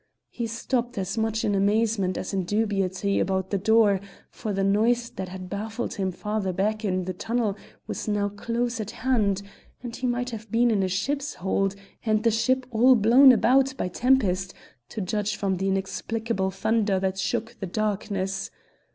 He stopped as much in amazement as in dubiety about the door, for the noise that had baffled him farther back in the tunnel was now close at hand, and he might have been in a ship's hold and the ship all blown about by tempest, to judge from the inexplicable thunder that shook the darkness.